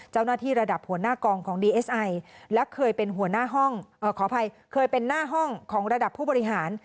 เจ้าหน้าที่ระดับหัวหน้ากองของดีเอสไอและเคยเป็นหน้าห้องของระดับผู้บริหาร